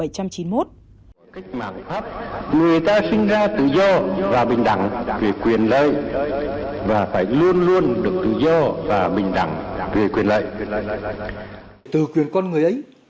cách mạng pháp người ta sinh ra tự do và bình đẳng về quyền lợi và phải luôn luôn được tự do và bình đẳng về quyền lợi